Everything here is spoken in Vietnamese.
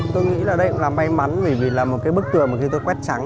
tôi nghĩ là đây cũng là may mắn bởi vì là một cái bức tường mà khi tôi quét trắng